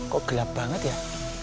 kok gelap banget ya